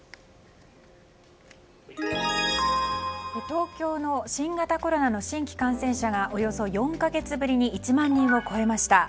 東京の新型コロナの新規感染者がおよそ４か月ぶりに１万人を超えました。